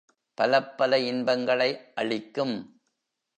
பலப்பல இன்பங்களை அளிக்கும்.